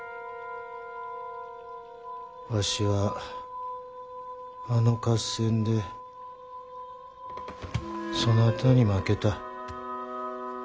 わしはあの合戦でそなたに負けた。